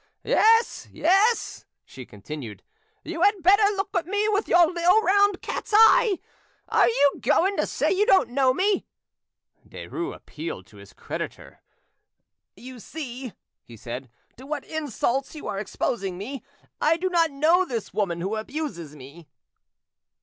"Yes, yes," she continued, "you had better look at me with your little round cat's eyes. Are you going to say you don't know me?" Derues appealed to his creditor. "You see," he said, "to what insults you are exposing me. I do not know this woman who abuses me."